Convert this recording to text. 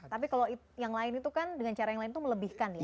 tapi kalau yang lain itu kan dengan cara yang lain itu melebihkan ya